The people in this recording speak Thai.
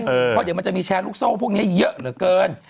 เพราะเดี๋ยวมันจะมีแชร์ลูกโซ่พวกนี้เยอะเหลือเกิน